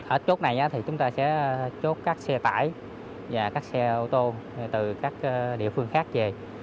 ở chốt này thì chúng ta sẽ chốt các xe tải và các xe ô tô từ các địa phương khác về